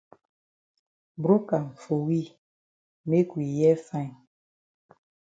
Broke am for we make we hear fine.